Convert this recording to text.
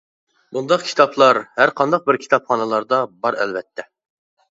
بۇنداق كىتابلار ھەرقانداق بىر كىتابخانىلاردا بار ئەلۋەتتە.